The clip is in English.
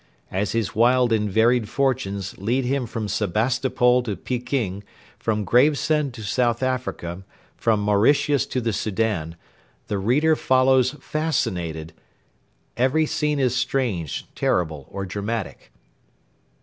As his wild and varied fortunes lead him from Sebastopol to Pekin, from Gravesend to South Africa, from Mauritius to the Soudan, the reader follows fascinated. Every scene is strange, terrible, or dramatic.